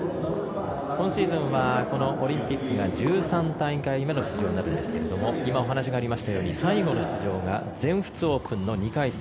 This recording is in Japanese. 今シーズンはこのオリンピックが１３大会目の出場になるんですが今お話がありましたように最後の出場が全仏オープンの２回戦。